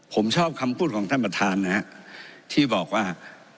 ผมชอบคำพูดของท่านประธานนะฮะที่บอกว่า